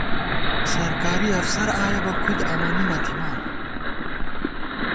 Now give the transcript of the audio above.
سرکاری افسر آیَہ بہ کُھد امَنی نہ تھِمان